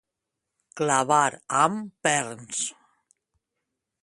Clavar amb perns.